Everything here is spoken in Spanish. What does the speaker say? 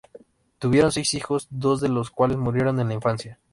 Tuvieron seis hijos, dos de los cuales murieron en la infancia.